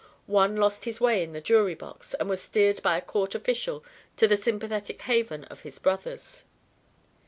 One lost his way in the jury box and was steered by a court official to the sympathetic haven of his brothers.